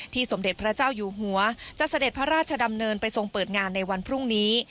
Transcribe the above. สมเด็จพระเจ้าอยู่หัวจะเสด็จพระราชดำเนินไปทรงเปิดงานในวันพรุ่งนี้